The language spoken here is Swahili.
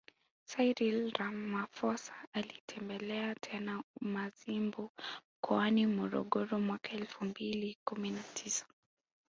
Cyril Ramaphosa alitembelea tena Mazimbu mkoani Morogoro mwaka elfu mbili kumi na tisa